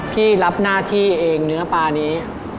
พี่รับหน้าที่เองเนื้อปลานี้